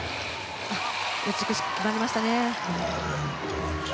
美しくなりましたね。